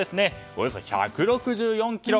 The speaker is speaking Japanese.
およそ１６４キロ。